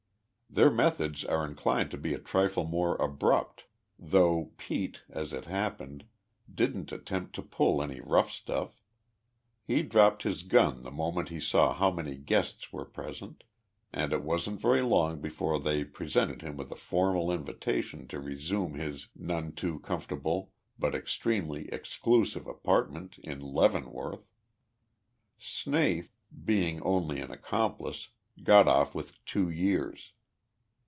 Their methods are inclined to be a trifle more abrupt though Pete, as it happened, didn't attempt to pull any rough stuff. He dropped his gun the moment he saw how many guests were present, and it wasn't very long before they presented him with a formal invitation to resume his none too comfortable but extremely exclusive apartment in Leavenworth. Snaith, being only an accomplice, got off with two years.